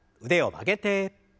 腕を曲げて。